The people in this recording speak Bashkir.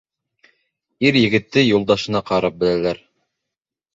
Ир-егетте юлдашына ҡарап беләләр.